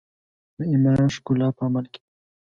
د ایمان ښکلا په عمل کې ده.